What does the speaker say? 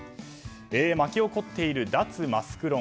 巻き起こっている脱マスク論。